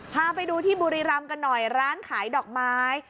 พาไปดูที่บุรีรำกันหน่อยร้านขายดอกไม้